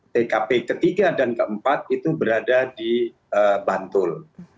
tkp ketiga dan keempat itu berada di bantul